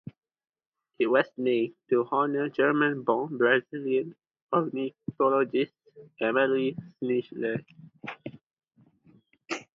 It was named to honour German-born Brazilian ornithologist Emilie Snethlage.